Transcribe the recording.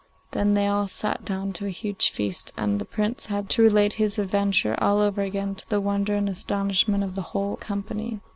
Then they all sat down to a huge feast, and the Prince had to relate his adventures all over again, to the wonder and astonishment of the whole company.